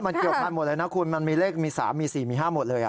มันเกี่ยวพันธุหมดเลยนะคุณมันมีเลขมี๓มี๔มี๕หมดเลย